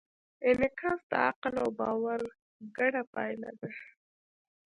انعکاس د عقل او باور ګډه پایله ده.